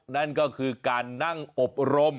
นั่นก็คือการนั่งอบรม